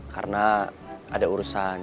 karena ada urusan